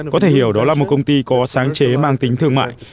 có thể hiểu đó là một công ty có sáng chế mang tính thương mại